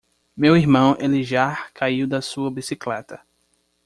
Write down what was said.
Meu irmão Elijah caiu da sua bicicleta.